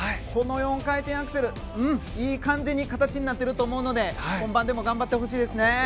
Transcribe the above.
この４回転アクセル、いい感じに形になっていると思うので本番でも頑張ってほしいですね。